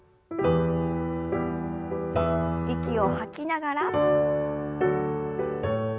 息を吐きながら。